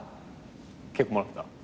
結構もらってた？